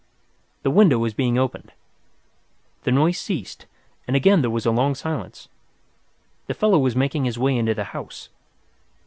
The window was being opened. The noise ceased, and again there was a long silence. The fellow was making his way into the house.